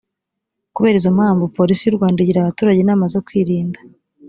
kubera izo mpamvu porisi y u rwanda igira abaturage inama zo kwirinda